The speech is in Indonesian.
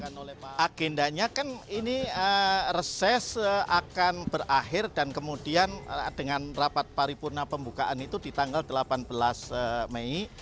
agendanya kan ini reses akan berakhir dan kemudian dengan rapat paripurna pembukaan itu di tanggal delapan belas mei